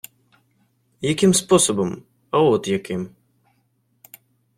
- Яким способом? А от яким.